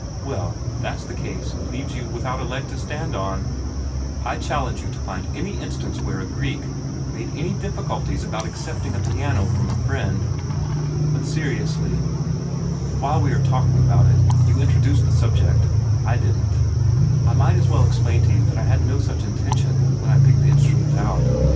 "Well, if that's the case, it leaves you without a leg to stand on. I challenge you to find any instance where a Greek made any difficulties about accepting a piano from a friend. But seriously while we are talking about it you introduced the subject: I didn't I might as well explain to you that I had no such intention, when I picked the instrument out.